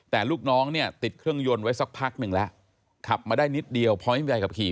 แต่ลูกน้องเนี่ยติดเครื่องยนต์ไว้สักพักหนึ่งแล้วขับมาได้นิดเดียวพอไม่มีใบขับขี่